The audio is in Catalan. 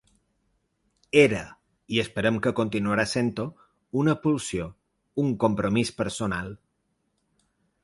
Era –i esperem que continuarà sent-ho- una pulsió, un compromís personal.